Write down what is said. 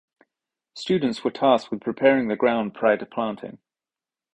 Students were tasked with preparing the ground prior to planting.